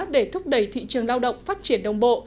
để thúc đẩy thị trường lao động phát triển đồng bộ